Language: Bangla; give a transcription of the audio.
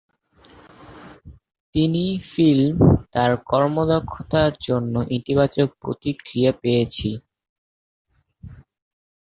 তিনি ফিল্ম তার কর্মক্ষমতা জন্য ইতিবাচক প্রতিক্রিয়া পেয়েছি।